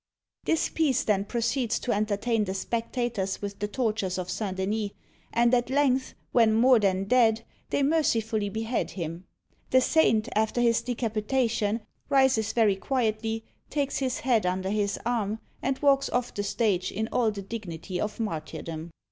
This piece then proceeds to entertain the spectators with the tortures of St. Dennis, and at length, when more than dead, they mercifully behead him: the Saint, after his decapitation, rises very quietly, takes his head under his arm, and walks off the stage in all the dignity of martyrdom.